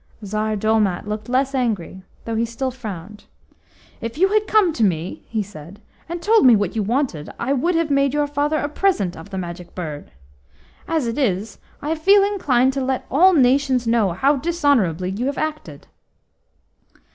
Tsar Dolmat looked less angry, though he still frowned. "If you had come to me," he said," and told me what you wanted, I would have made your father a present of the Magic Bird. As it is, I feel inclined to let all nations know how dishonourably you have acted."